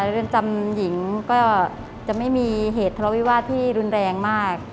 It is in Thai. เรือนจำหญิงก็จะไม่มีเหตุทะเลาวิวาสที่รุนแรงมาก